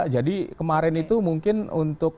jadi kemarin itu mungkin untuk